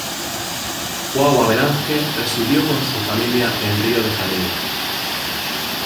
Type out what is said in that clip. João Havelange residió con su familia en Río de Janeiro.